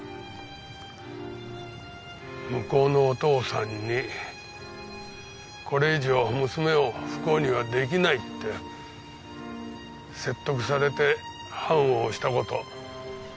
向こうのお父さんにこれ以上娘を不幸には出来ないって説得されて判を押した事今でも後悔してる。